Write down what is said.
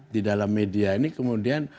di dalam media ini kemudian